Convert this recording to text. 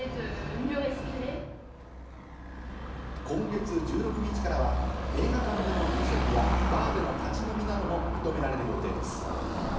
今月１６日からは映画館での飲食やバーでの立ち飲みなども認められる予定です。